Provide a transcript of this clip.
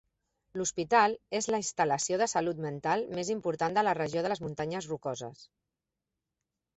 L'hospital és la instal·lació de salut mental més important de la regió de les muntanyes Rocoses.